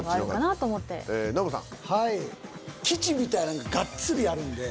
基地みたいなんががっつりあるんで。